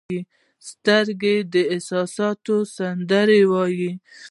سترګې د احساسات سندره وایي